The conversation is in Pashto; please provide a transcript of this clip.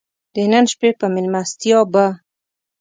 د نن شپې په مېلمستیا به.